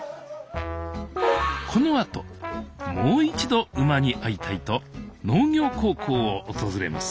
このあともう一度馬に会いたいと農業高校を訪れます